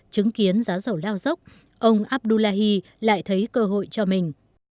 chứng kiến giá giàu lao dốc ông abulahi lại thấy cơ hội cho mình